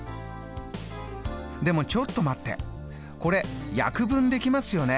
でもちょっと待ってこれ約分できますよね。